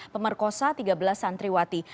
pemerkosa tiga belas santriwati